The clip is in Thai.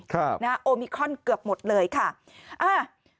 ครับนะฮะโอมิคอนเกือบหมดเลยค่ะอ่า